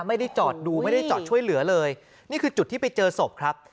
ไม่ได้จอดดูไม่ได้จอดช่วยเหลือเลยนี่คือจุดที่ไปเจอศพครับ